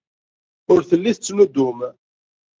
Ur telli tettnuddum.